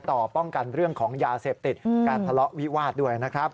ต่อป้องกันเรื่องของยาเสพติดการทะเลาะวิวาสด้วยนะครับ